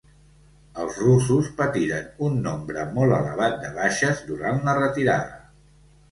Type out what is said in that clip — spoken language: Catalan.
Els russos patiren un nombre molt elevat de baixes durant la retirada.